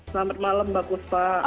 selamat malam mbak kusma